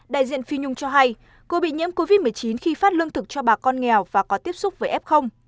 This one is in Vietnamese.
đại diện phi nhung cho hay cô bị nhiễm covid một mươi chín khi phát lương thực cho bà con nghèo và có tiếp xúc với f